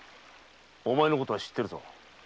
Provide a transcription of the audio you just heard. お前のことは知ってるぞ。